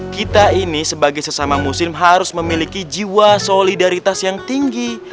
kita ini sebagai sesama muslim harus memiliki jiwa solidaritas yang tinggi